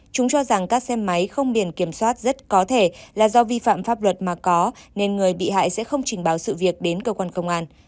chúng cho rằng các xe máy không biển kiểm soát rất có thể là do vi phạm pháp luật mà có nên người bị hại sẽ không trình báo sự việc đến cơ quan công an